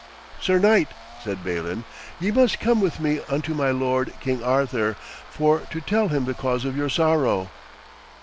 'Sir knight,' said Balin, 'ye must come with me unto my lord, King Arthur, for to tell him the cause of your sorrow.'